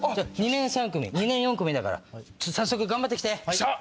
２年３組２年４組だから早速頑張って来て！